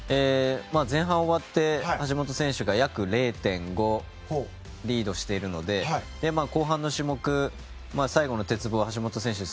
前半終わって橋本選手が約０．５リードしているので後半の種目、最後の鉄棒橋本選手は